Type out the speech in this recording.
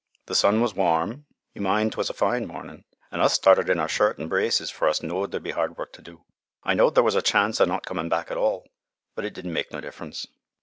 The sun was warm, you mind 'twas a fine mornin', an' us started in our shirt an' braces fur us knowed thar'd be hard work to do. I knowed thar was a chance o' not comin' back at all, but it didn' make no difference.